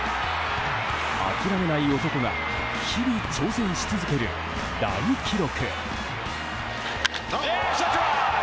諦めない男が日々挑戦し続ける大記録。